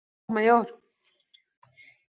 — Yo‘q, o‘rtoq mayor…